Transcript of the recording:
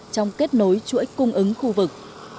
trong kết nối chuỗi cung ứng khu vực